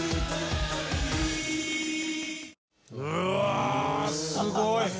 うわすごい！